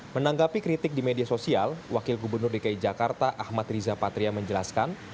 menanggapi kritik di media sosial wakil gubernur dki jakarta ahmad riza patria menjelaskan